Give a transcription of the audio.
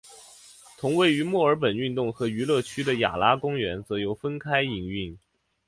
同位于墨尔本运动和娱乐区的雅拉公园则由分开营运。